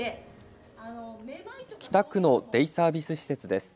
北区のデイサービス施設です。